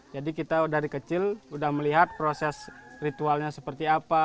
jadi kita dari kecil sudah melihat proses ritualnya seperti apa